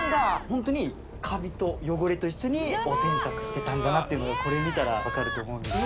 ホントにカビと汚れと一緒にお洗濯してたんだなっていうのがこれ見たら分かると思うんです